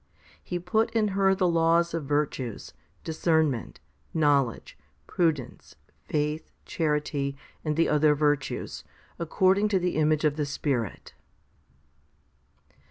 He put in her the laws of virtues, discernment, knowledge, prudence, faith, charity, and the other virtues, according to the image of the Spirit.